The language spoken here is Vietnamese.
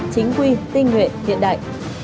chính quy tinh nguyện hiện đại